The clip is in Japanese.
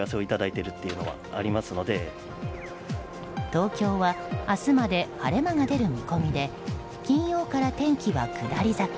東京は明日まで晴れ間が出る見込みで金曜から天気は下り坂。